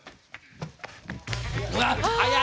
うわっ速い！